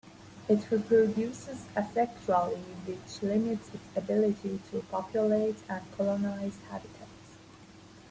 It reproduces asexually, which limits its ability to populate and colonize habitats.